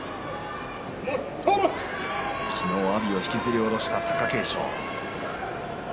昨日阿炎を引きずり下ろした貴景勝。